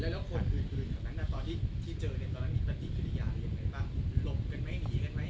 แล้วคนอื่นต่อที่เจอตอนนั้นมีประติภิกษ์อย่างไรอย่างไรบ้างหลบกันไม่หนีใช่ไหม